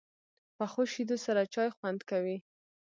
پخو شیدو سره چای خوند کوي